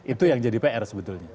itu yang jadi pr sebetulnya